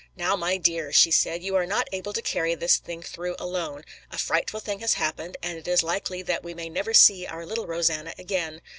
"Now, my dear," she said, "you are not able to carry this thing through alone. A frightful thing has happened, and it is likely that we may never see our little Rosanna again."